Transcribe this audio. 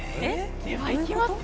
では、行きます。